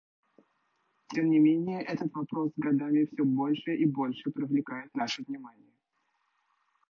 Тем не менее, этот вопрос с годами все больше и больше привлекает наше внимание.